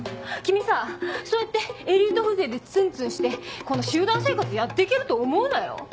君さそうやってエリート風情でツンツンしてこの集団生活やって行けると思うなよ！